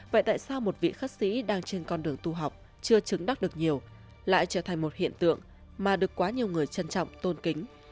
vậy tại sao một vị khách sĩ đang trên con đường tu học chưa chứng đắc được nhiều lại trở thành một hiện tượng mà được quá nhiều người trân trọng tôn kính